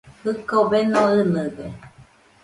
Jɨko beno ɨnɨde.